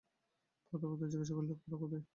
প্রতাপাদিত্য জিজ্ঞাসা করিলেন, খুড়া কোথায়?